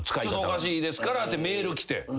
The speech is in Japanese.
「おかしいですから」ってメール来て。